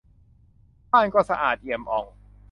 บ้านก็สะอาดเอี่ยมอ่อง